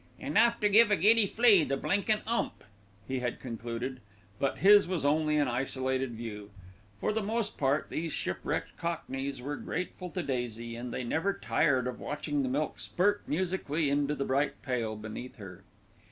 "Enough to give a giddy flea the blinkin' 'ump," he had concluded; but his was only an isolated view. For the most part these shipwrecked cockneys were grateful to Daisy, and they never tired of watching the milk spurt musically into the bright pail beneath her.